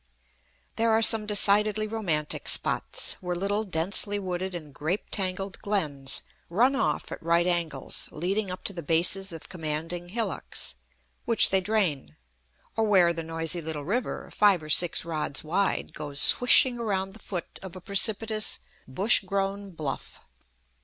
There are some decidedly romantic spots, where little densely wooded and grape tangled glens run off at right angles, leading up to the bases of commanding hillocks, which they drain; or where the noisy little river, five or six rods wide, goes swishing around the foot of a precipitous, bush grown bluff.